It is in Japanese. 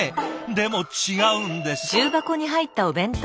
でも違うんです。